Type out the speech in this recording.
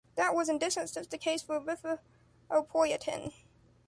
That was in this instance the case for erythropoietin.